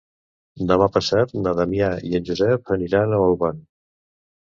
Demà passat na Damià i en Josep aniran a Olvan.